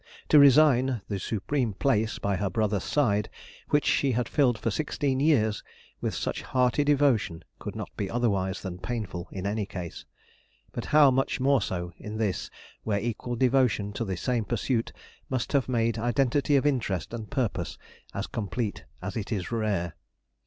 To resign the supreme place by her brother's side which she had filled for sixteen years with such hearty devotion could not be otherwise than painful in any case; but how much more so in this where equal devotion to the same pursuit must have made identity of interest and purpose as complete as it is rare.